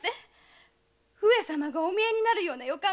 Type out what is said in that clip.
上様がお見えになるような予感がします。